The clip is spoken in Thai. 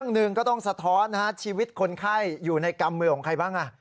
หนึ่งก็ต้องสะท้อนชีวิตคนไข้อยู่ในกำมือของใครบ้าง